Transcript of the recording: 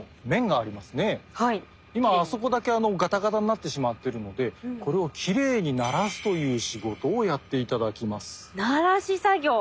今あそこだけガタガタになってしまっているのでこれをきれいにならすという仕事をやって頂きます。